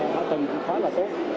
hạ tầng cũng khá là tốt